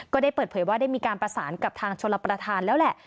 ก็ได้เปิดเผยว่าได้มีการประสานกับทางชลประธานแล้วแหละ